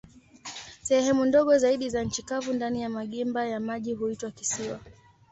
Sehemu ndogo zaidi za nchi kavu ndani ya magimba ya maji huitwa kisiwa.